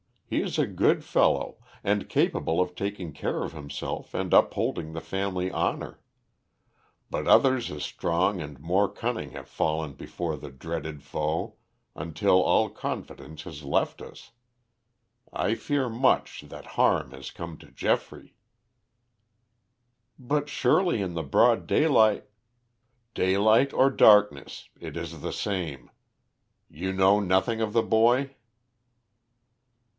He is a good fellow, and capable of taking care of himself and upholding the family honor. But others as strong and more cunning have fallen before the dreaded foe, until all confidence has left us. I fear much that harm has come to Geoffrey." "But surely in the broad daylight " "Daylight or darkness, it is the same. You know nothing of the boy?"